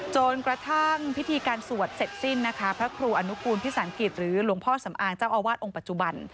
จนกระทั่งพิธีการสวดเสร็จสิ้นนะคะพระครูอนุกูลพิสังกิจหรือหลวงพ่อสำอางเจ้าอาวาสองค์ปัจจุบัน